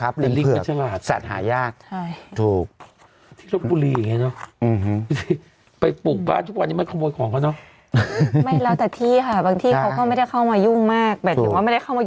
เป็นลิ่นปัจจุฬาศาสตร์สัตว์หายากถูก